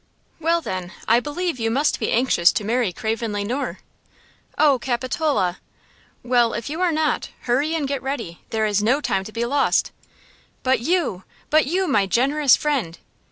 "Well, then, I believe, you must be anxious to marry Craven Le Noir!" "Oh, Capitola!" "Well, if you are not, hurry and get ready; there is no time to be lost!" "But you! but you, my generous friend!"